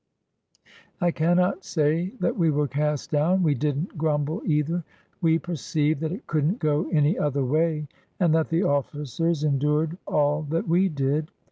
I cannot say that we were cast down. We did n't grumble, either. We perceived that it could n't go any other way and that the officers endured all that we did.